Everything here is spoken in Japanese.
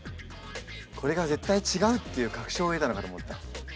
これが絶対違うっていう確証を得たのかと思った。